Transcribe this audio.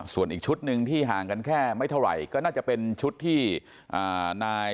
ส่วนอีกชุดหนึ่งที่ห่างกันแค่ไม่เท่าไหร่ก็น่าจะเป็นชุดที่นาย